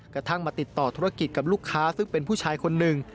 กระทั่งมาติดต่อธุรกิจกับลูกค้าซึ่งเป็นผู้ชายคนหนึ่ง